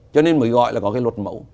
cho nên mới gọi là có cái luật mẫu